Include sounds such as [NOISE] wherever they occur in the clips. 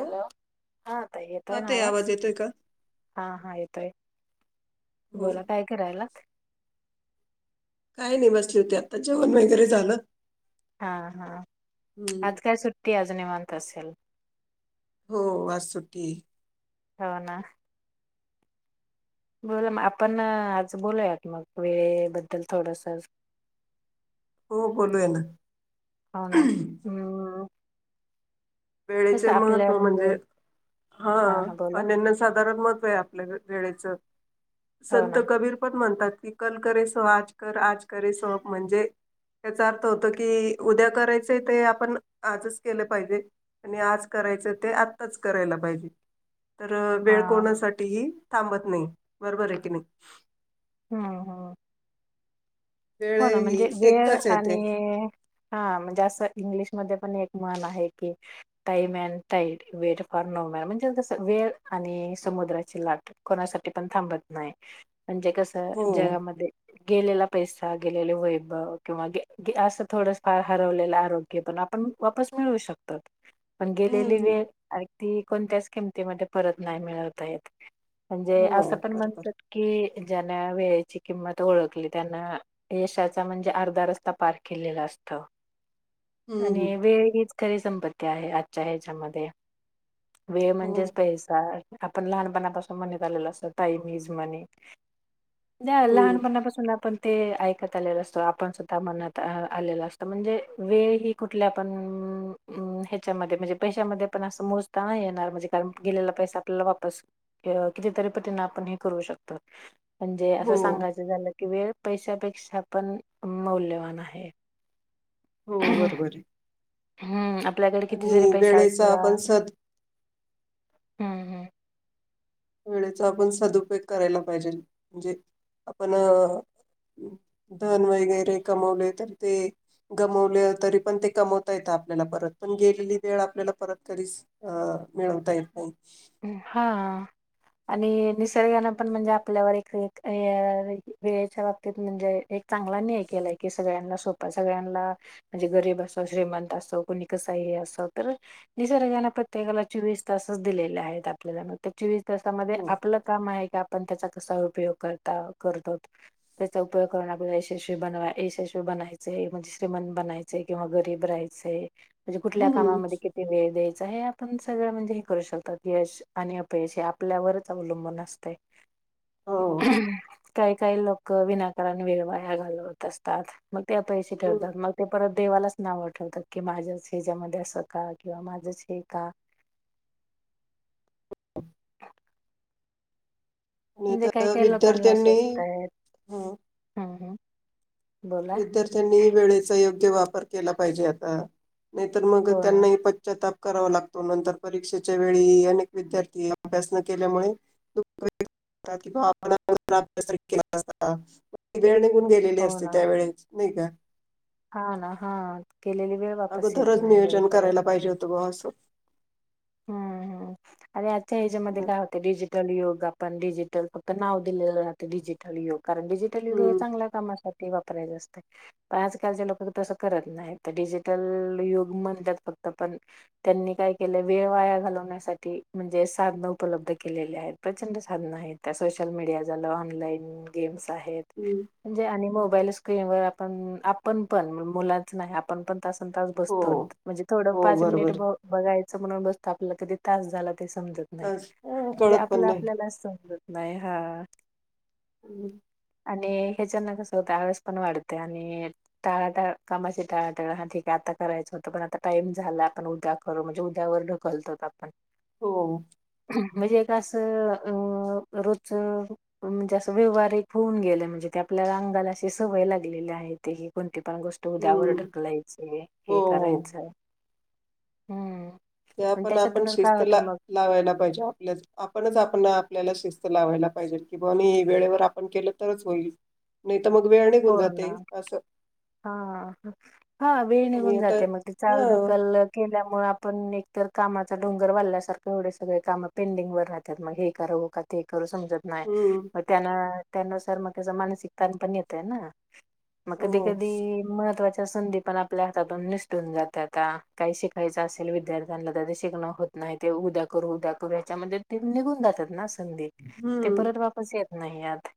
Hello हां, आता हा येतोय ना ताई आवाज? येतोय का? हां हां येतोय. हो बोला काय करायला? काही नाही बसले होती, आता जेवण वगैरे झालं. हा हा हम्म आज काय सुट टी आज निवांत असेल? हो, आज सुट्टी ये. हो ना, बोला मग आपण आज बोलूयात मग वेळे बद्दल थोडस ह हो बोलूया ना ना हम् वेळेचे महत्त्व म्हणजे हा अननना साधारण महत्व आपल्या वेळेच हो संत ना कबीर पण म्हणतात की कल केस आज कर आज केस म्हणजे त्याचा अर्थ होत की उद्या करायचं ते आपण आजच केलं पाहिजे आणि आज करायचं ते आत्ताच करायला पाहिजे तर हा वेळ कोणासाठी ही थांबत नाही बरोबर आहे की नाही हा हा हो ना वेळही म्हणजे वेळ एकदाच येते आणि हा म्हणजे अस इंग्ल मध्ये पण एक मन आहे की टई मन tie wait for no man म्हणजेस वेळ आणि समुद्राची लाट कोणासाठी पण थांबत नाही म्हणजे कसं हो जगामध्ये गेलेला पैस गेलेले वैभव किंवा असं थोड फार हरवलेलं आरोग्य पण आपण वापस मिळवू शकतो पण गेलेली हम्म वेळ अग ती कोणत्याच किमतीमध्ये परत नाही मिळवतायेत म्हणजे हो असे पण बरोबर म्हणतात की ज्यांना वेळेची किंमत ओळखली त्यांना यशाचा म्हणजे अर्धा रस्ता पार केलेला असत हम्म आणि वेळ हीच खरी संपत्ती आहे आजच्या ह्याच्यामध्ये वेळ हो म्हणजेच पैसा आहे आपण लहानपणापासून म्हणत आलेल अस ताई मीज म्हणे जा हम्म लहानपणापासून आपण ते ऐकत आलेला असतो आपण सुद्धा मनात आलेला असत म्हणजे वेळ ही कुठल्या आपण ह्याच्यामध्ये म्हणजे पैशामध्ये पण असं मोजता नाही येणार म्हणजे कारण गेलेला पैसा आपल्याला वापस कितीतरी पतीन आपण हे करू शकतो म्हणजे हो असं सांगायचं झालं की वेळ पैसा पै पैसा पण मौल्यवान आहे हो बरोबर आहे हम्म आपल्याकडे किती आणि जरी पैसा वेळेचा असला आपण सद हम्म हम्म वेळेचा आपण सदुपयोग करायला पाहिजे म्हणजे आपण धन वगैरे कमवले तर ते गमवले तरी पण ते कमवता येत आपल्याला परत पण गेलेली वेळ आपल्याला परत कधीच अ मिळवता येत नाही हा आणि निसर्गानें पण म्हणजे आपल्यावर एक वेळेच्या बाबतीत म्हणजे एक चांगला न्याय केलाय कि सगळ्यांना सोपा सगळ्यांना म्हणजे गरीब असो श्रीमंत असो कुणी कसा हे असो तर निसर्गाने प्रत्येकाला चोवीस तासच दिले आपल्याला मग त्याची त्याच्यामध्ये हो आपलं काम आहे का? पण त्याचा कसा उपयोग करता करतो त्याचा उपयोग करण्या आप यशस्वी बनवा यशस्वी बनायचे म्हणजे श्रीमंत बनायचे किंवा गरीब राहायचे. म्हणजे कुठल्या हम्म कामामध्ये किती वळय. हे आपण सगळं म्हणजे हे करू शकतो. यश आणि अपयश हे आपल्यावरच अवलंबून असते. हो [INAUDIBLE] काही काही लोक उगाच वेळ वाया घालवत असतात. त्या पैसे हम्म. ठरतात मग ते परत. देवालाच नावे ठेवतात की माझ्यासोबत असं का नाही का? आणि म्हणजे काही आता काही लोकांना विद्यार्थ्यांनी असवस्तय अ, हम् ह. विद्यार्थ्यांनी वेळेचा योग्य वापर केला पाहिजे आता नाहीतर हो ना त्यांनाही पश्चाताप करावा लागतो नंतर परीक्षेच्या वेळी अनेक विद्यार्थी अभ्यास न केल्यामुळे कि बा अभ्यास केला वेळ वेळ निघून गेलेली हो ना असते. वेळेची नाही का. हा ना हा. केलेली वेळ वापस येत अगोदरच नाही नियोजन बरोबर आहे करायला पाहिजे होतं असं. हो. हम्म हम्म आणि आजच्या एजमध्ये काय होत डिजिटल युग ग आपण डिजिटल फक्त नाव दिलेलं राहते डिजिटल युग कारण डिजिटल युग हे हम्म. चांगल्या कामात वापरा अस पण आजकालचे लोक त करत नाही डिजिटल युग म्हणतात फक्त पण त्यांनी काय केलंय. वेळ वाया घालवण्यासाठी म्हणजे साधनं उपलब्ध केलेली आहेत, प्रचंड साधनं आहेत त्या सोशल मीडिया झालं, ऑनलाईन गेम्स आहेत हम्म. जे आणि म पहिलं स्क्रीनवर आपण - आपण पण मुलाच नाही आपण पण तासंतास हो बसतो म्हणजे थोडं हो पाच मिनिट बरोबर. ब बघाय. म्हणून बसतो आपल्याला कधी तास झाला. ते समजत नाहीे, अस- जे कळत पण आपलं नाही. आपल्याला समजत. नाही हा. हम्म. आणि ह्याच्याना कसं होतं आवास पण वाढते आणि यांच्यानं कसं होतं टाळाटा कामाचे टाळाटाळ हा ठीक आहे आता करायचं होतं पण आता टाइम झाला आपण उद्या करू म्हणजे वर ढकलतो आपण हो. म्हणजे एक असं अ रोज म्हणजे असं व्यवहार एक होऊन गेला म्हणजे ते आपल्याला अंगाला अशी सवय लागलेली आहे ते की कोण ती पण गोष्ट उद्यावर हम्म. ढकलायची हो हे हो. करायचं हम्म. ते आणि आपण आपण त्याच्यातूनच काय शिस्त ला होतं मग लावायला पाहिजे, आपल्या आपणच आपण आपल्याला शिस्त ते लावायला पाहिजे किंवा मी वेळेवर आपण केलं तरच होईल. नाइ हो ना हा हा हा वेळ आणि निघून आता जाते. मग ते चाल हा ढकल केल्याम मग आपण एकतर कामाचा डोंगर वाढल्यासारखं एवढे सगळे कामं पेंडिंग वर राहतात, मग हे करावं का ते क [UNINTELLIGIBLE] समजत नाय हम्म म त्यान त्यानुसार मग त्याचा मानसिक ताण पण येत त्यांना? मग हो कधी कधी महत्वाच त्या संधी पण आपल्या हातातून निसटून जात्याता. काही शिकायच असेल विद्यार्थ्यांना तर ते शिकणं होत नाही ते उद्या करू, उद्या करू याच्यामध्ये ते निघून जात्यत ना. संधी ते हम्म परत वापस येत नाही यात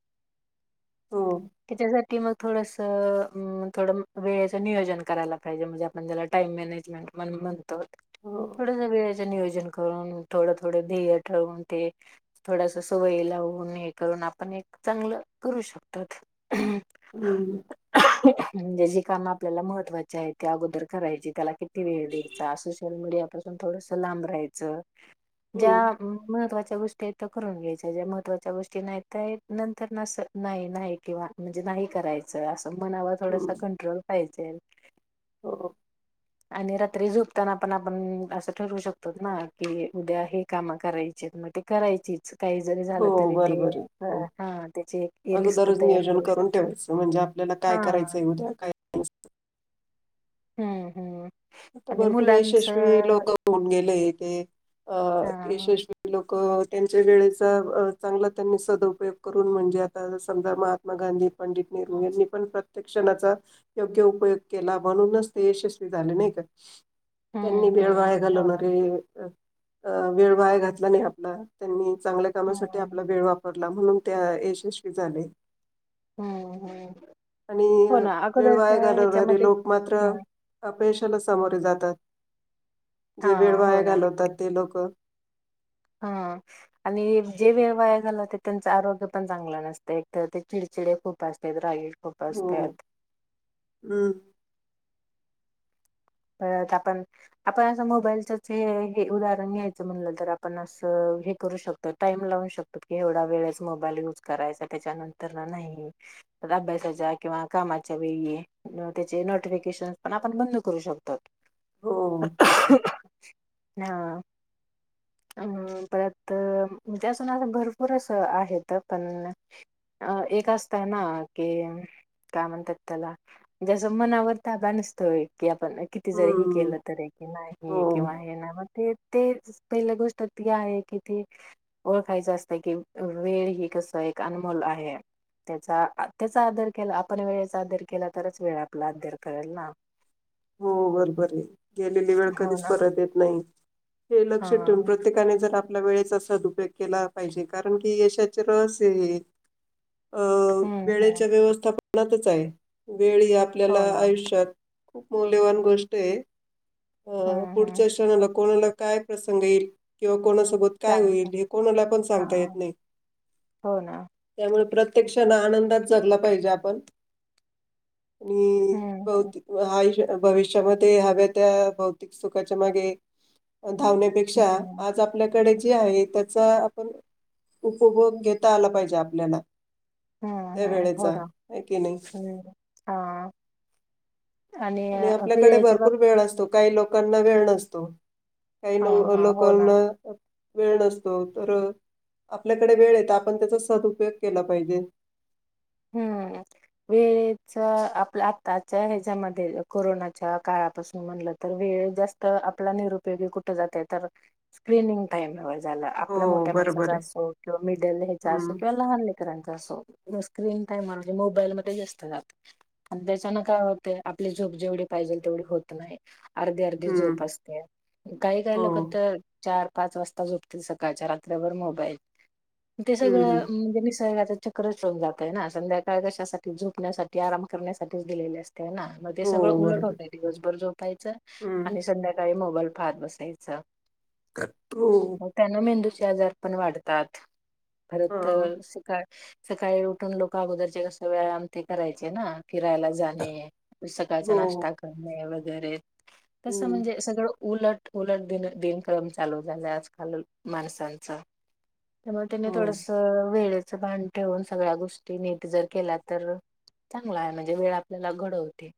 हम्म. त्याच्यासाठी मग थोडसं अ थोडं वेळेचं नियोजन करायला पाहिजे, म्हणजे आपण ज्याला टाइम मॅनेजमेंट म्हण म्हणतो. हो थोडसा वेळ जे नियोजन करून थोडं थोडं ध्येय ठरवून, ते थोडस सवयी लावून हे करून आपण एक चांगलं करू शकतात. हम्म. म्हणजे जी कामं आपल्याला महत्त्वाची आहेत ते अगोदर करायची, त्याला किती वेळ द्यायचा, सोशल मीडिया पासून थोडसं लांब राहायचं. ज्या हम्म महत्त्वाच्या गोष्टी आहेत त्या करून घ्यायच्या ज्या महत्वाच्या गोष्टी नाहीत नाहीत नंतरन असं नाही नाही किंवा म्हणजे नाही करायचं अस मनावर थोडासा हम्म कंट्रोल पाहिजे. [UNINTELLIGIBLE] हो. आणि रात्री झोपताना पण आपण असं ठरवू शकतो, ना की उद्या हे कामं करायचेत मग ते करायचीच. काही जरी झालं हो तरी ते बरोबर आहे हो हा त्याची एक लिस्ट अगोदरच तयार नियोजन करू करून शकतात ठेवायचं म्हणजे, आपल्याला हा काय करायचंय उद्या काय हम्म हम्म. आता आणि भरपूर यशस्वी मुलांचं लोकं होऊन गेलेत. [INAUDIBLE] अ हा हा यशस्वी लोक अ त्यांच्या वेळेचा अ चांगला त्यांनी सदउपयोग करून म्हणजे आता समजा महात्मा गांधी, पंडित नेहरू यांनी पण प्रत्येक क्षणाचा योग्य उपयोग केला म्हणूनच ते यशस्वी झाले. नाही? [INAUDIBLE] त्यांनी हम्म वेळ हम्म. वाया हो घालवणार ना. नाही अ वेळ वाया घातला नाही आपला त्यांनी चांगल्या कामासाठी हम्म आपला वेळ वापर म्हणून त्या यशस्वी झालेय. हम्म हम्म आणि हो ना वेळ वाय अगोदरच्या घालवणारे ह्याच्यामध्ये लोक मात्र हम्म. [UNINTELLIGIBLE] समोरे जातात हा जे वेळ हो वाया ना घालवतात ते लोक हा आणि जे वेळ वाया घालवतात त्यांचे आरोग्य पण चांगले नसते एक तर ते चिडचिडे खूप असतात [UNINTELLIGIBLE] हो हम्म परत आपण आपण असं मोबाईलचच हे हे उदाहरण घ्यायचं म्हणलं तर आपण असं हे करू शकतो टाइम लावू शकतो की एवढा वेळच मोबाईल युज करायचा त्याच्यानंतर ना नाही तर अभ्यासाच्या किंवा कामाच्या वेळी त्याचे नोटिफिकेशन पण आपण बंद करू शकतो तत हो बरोबर हा. अम परत म्हणजे असं नां भरपूर असं आहेत पण एक असतय ना की काय म्हणतात त्याला जस मनावर ताबा नसतोय की पण किती जरी हे हम्म केलं तर कि हो नाही किंवा हे नाही मग ते ते पहिल्या गोष्ट आहे कि ते ओळखायचं असतं कि वेळ हि कस एक अनमोल आहे त्याचा त्याचा आदर केला आपण वेळेचा आदर केला तरच वेळ आपला आदर करेल ना हो बरोबर आहे गेलेली वेळ हो कधीच ना परत येत नाही हे हा लक्ष ठेवून प्रत्येकाने जर आप आपल्या वेळेच सदुपयोग केला पाहिजे कारण की यशाचे रहस्य हे अ हम्म हम्म वेळेच्या व्यवस्थापन त्याचच आहे वेळी आपल्याला हो ना आयुष्यात खूप मौल्यवान गोष्ट आहे अह हम्म हम्म पुढच्या क्षणाला कोणाला काय प्रसंग येईल किंवा कोणासोबत काय चालत होईल हे कोणाला पण सांगता हा. येत नाही. हो ना प्रत्यक्ष क्षण आनंदात जगला पाहिजे आपण आणि हम्म हम्म बहुतेक अ आयुष्यात भविष्यामध्ये हव्या त्या भौतिक सुखाच्या मागे धावण्यापेक्षा, हम्म आज आपल्या कडे जे आहे त्याचा आपण उपभोग घेता आला पाहिजे, आपल्याला हा त्या हा होय वेळेचा का, आहे की नाही हा. आणि हो आपल्याकडे वेळेच्या बाब भरपूर वेळ असतो, काही लोक लोकांना वेळ नसतो. काही हा न हा हो ना लोकांना वेळ नसतो, तर आपल्याकडे वेळ येत, आपण त्याचा सदुपयोग केला पाहिजे. हम्म वेळेच आपल्या आताच्या ह्याच्यामध्ये कोरोनाच्या काळापासून म्हणलं, तर वेळ जास्त आपला निरुपयोगी कुठे जाते, तर स्क्रीिनिंग टाइम- झाला, आपल्या हो मोठ्या बरोबर माणसाचा आहे असो, किंवा मिडल ह्याचा असो, हम्म किंवा लहान लेकरांचा असो, नसतं - स्क्रीन टाइम म्हणजे मोबाईल मध्ये जास्त जात आणि त्याच्यान काय होते आपली झोप जेवढी पाहिजे तेवढी होत नाही. अर्धी-अर्धी हम्म झोप असते, काही-काही हो लोक तर चार- पाच वाजता झोपतील, सकाळच्या, रात्रभर मोबाईल- ते हम्म हम्म. सगळं म्हणजे मी निसर्गाचं चक्रच [UNINTELLIGIBLE] जात. ते ना संध्याकाळ कशासाठी- झोपण्यासाठी, आराम करण्यासाठीच दिलेले असतात. ते ना मग ते हो सगळं उलट बरोबर होतय, दिवसभर झोपायचं हम्म आणि संध्याकाळी मग- बलफात बसायचा. करतो. मग त्यांना मेंदूचे आजार पण वाढतात. हा परत हो शिका- सकाळी उठ ऊठुन लोक अगोदरचे कसं व्यायाम ते करायचे ना! फिरायला जाणे पु सकाळचा हो नाश्ता करणे- तर हे तसं हम्म म्हणजे सगळं- उलट उलट दिन दिनक्रम चालू झाला आजकाल माणसांचा त्यामुळे त्यांनी हो थोडस वेळेत ते भान ठेवून सगळ्या गोष्ट टि नेक जर केला तर चांगला आहे म्हणजे वेळ आपल्याला घडवते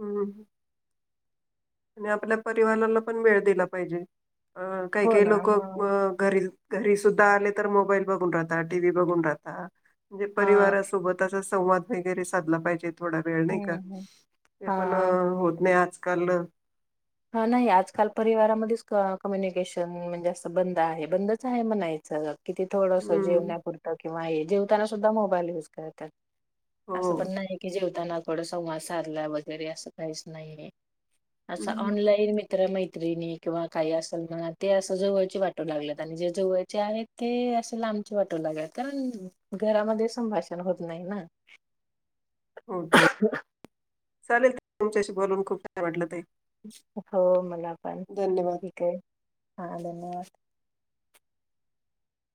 हम्म आणि आपल्या परिवाराला पण वेळ दिला पाहिजे अं काही हो काही ना. लोक अ हा घरीील घरी सुद्धा आले तर मोबाईल बघून राहता टी व्ही बघून राहता म्हणजे हा परिवारासोबत असं संवाद वगैरे साधला पाहिजेत थोडा वेळ नाही का हम्म ते पण हा. होत नाही आज [UNINTELLIGIBLE] हा नाही आजकाल परिवारामधेच क कम्युनिकेशन म्हणजे असं बंद आहे बंदच आहे म्हणायचं किती थोडंस हम्म जेवण्यापुरं किंवा हे जेव त्यांना सुद्धा मोबाईल युज करतात. हो असं पण नाही की जेवताना थोड संवाद साधला वगैरे, असं काहीच नाहीये. आत चा हम्म ऑनलाईन मि मित्र मैत्रिणी किंवा काही असेल म्हणा, ते असं जवळचे वाटू लागलेत, आणि जे जवळचे आहेत ते असं लांबचे वाटू लागलेत कारण घरामध्ये संभाषण होत नाही ना. होतय. चालेल, तुमच्याशी बोलून खूप काय वाटलं ताई. हो मला पण, धन्यवाद. ठीक आहे हा धन्यवाद!